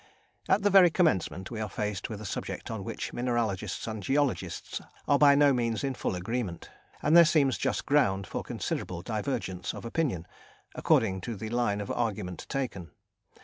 At the very commencement we are faced with a subject on which mineralogists and geologists are by no means in full agreement, and there seems just ground for considerable divergence of opinion, according to the line of argument taken.